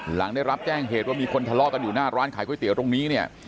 หลังได้รับแจ้งเหตุว่ามีคนทะเลาะกันอยู่หน้าร้านขายก๋วยเตี๋ยวตรงนี้เนี่ย